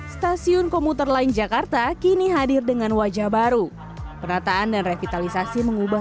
stasiun komuter lain jakarta kini hadir dengan wajah baru penataan dan revitalisasi mengubah